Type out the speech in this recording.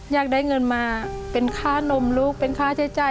อยากได้เงินมาเป็นค่านมลูกเป็นค่าใช้จ่าย